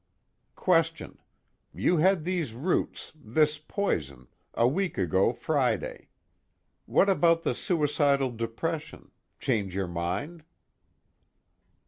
QUESTION: You had these roots, this poison, a week ago Friday. What about the suicidal depression? change your mind?